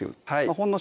ほんの